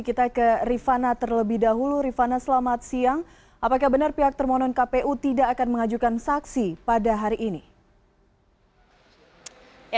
kita ke rifana terlebih dahulu rifana selamat siang apakah benar pihak termohon kpu tidak akan mengajukan saksi pada hari ini